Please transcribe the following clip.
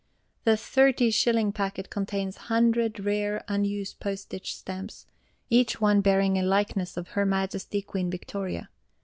The Thirty Shilling Packet contains 100 rare unused Postage Stamps, each one bearing a likeness of HER MAJESTY QUEEN VICTORIA.